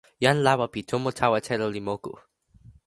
jan lawa pi tomo tawa telo li moku.